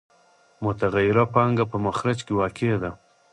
متغیره پانګه په مخرج کې واقع ده